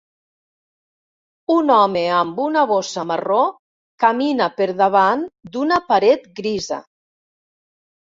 Un home amb una bossa marró camina per davant d'una paret grisa.